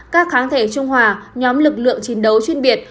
các kháng thể trung hòa nhóm lực lượng chiến đấu chuyên biệt